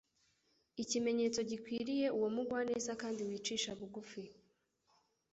ikimenyetso gikwiriye uwo mugwaneza kandi wicisha bugufi.